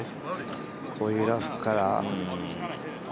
こういうラフから。